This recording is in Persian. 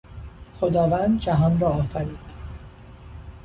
خداوند جهان را آفرید.